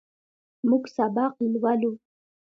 موږ سبق لولو.